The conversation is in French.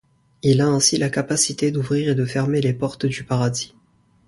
Il a ainsi la capacité d'ouvrir et de fermer les portes du Paradis.